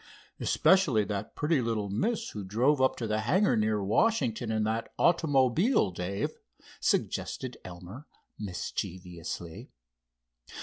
"Especially that pretty little miss who drove up to the hangar near Washington in that automobile, Dave," suggested Elmer, mischievously.